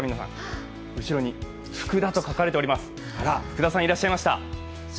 福田さんいらっしゃいました。